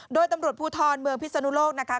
โดยตำรวจภูทรเมืองพิศนุโลกนะคะ